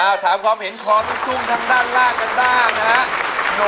อ่าถามความเห็นความรู้สึกทั้งด้านล่างกันตามนะฮะ